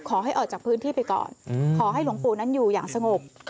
ขอให้ออกจากพื้นที่ไปก่อนขอให้หลวงปู่นั้นอยู่อย่างสงบ